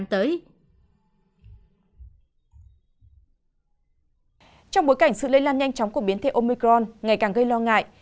trong bối cảnh sự lây lan nhanh chóng của biến thể omicron ngày càng gây lo ngại